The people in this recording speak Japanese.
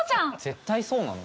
絶対そうなの？